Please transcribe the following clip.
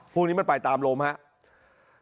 พวกนี้มันไปตามลมครับ